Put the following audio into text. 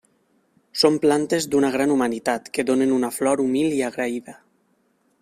Són plantes d'una gran humanitat que donen una flor humil i agraïda.